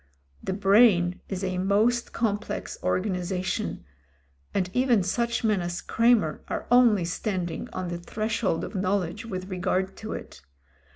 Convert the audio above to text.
The brain is a most complex organisation, and even such men as Cremer are only standing on the threshold of knowledge with regard to it.